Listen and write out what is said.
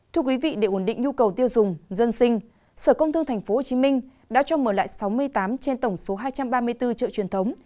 thưa quý vị để ổn định nhu cầu tiêu dùng dân sinh sở công thương tp hcm đã cho mở lại sáu mươi tám trên tổng số hai trăm ba mươi bốn chợ truyền thống